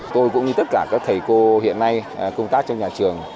tôi cũng như tất cả các thầy cô hiện nay công tác trong nhà trường